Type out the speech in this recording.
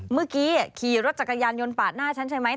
เมื่อกี้ขี่รถจักรยานยนต์ปาดหน้าฉันใช่ไหม